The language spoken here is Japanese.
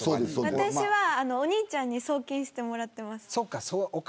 私はお兄ちゃんに送金してもらってます。